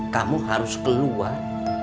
kamu harus keluar